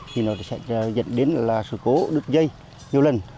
thì nó sẽ dẫn đến là sự cố đứt dây nhiều lần